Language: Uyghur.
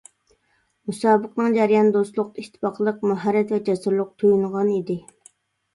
مۇسابىقىنىڭ جەريانى دوستلۇق، ئىتتىپاقلىق ماھارەت ۋە جەسۇرلۇققا تويۇنغان ئىدى.